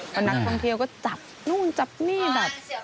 ส่วนเคล็ยโตก็จับนู่นจับนี่แบบ